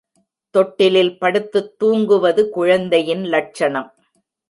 தொட்டிலில் படுத்துத் தூங்குவது குழந்தையின் லட்சணம்.